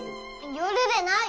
寄るでない！